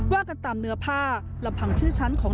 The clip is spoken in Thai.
ว่ากันตามเนื้อผ้าลำพังชื่อชั้นของ